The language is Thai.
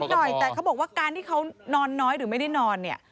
หน่อยแต่เขาบอกว่าการที่เขานอนน้อยหรือไม่ได้นอนเนี่ย